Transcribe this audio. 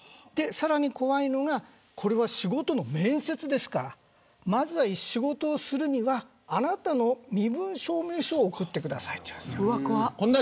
さらに怖いのがこれは仕事の面接ですからまず仕事をするにはあなたの身分証明書を送ってください、となる。